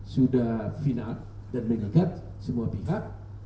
sudah final dan mengikat semua pihak